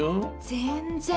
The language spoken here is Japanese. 全然。